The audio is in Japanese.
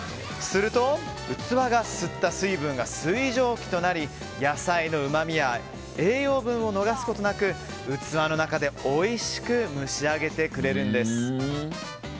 すると、器が吸った水分が水蒸気となり野菜のうまみや栄養分を逃すことなく器の中でおいしく蒸し上げてくれるんです。